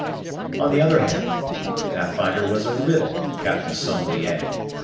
On the other hand, Pathfinder was a riddle to Captain Sanglier.